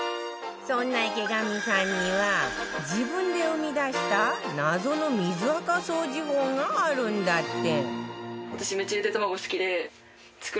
そんな池上さんには自分で生み出した謎の水アカ掃除法があるんだって